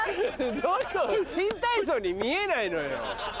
どこ新体操に見えないのよ。